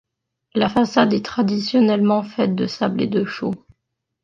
La façade est traditionnellement faite de sable et de chaux.